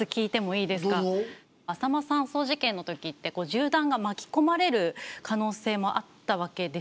あさま山荘事件のときって銃弾が巻き込まれる可能性もあったわけですよね。